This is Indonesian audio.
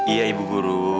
iya ibu guru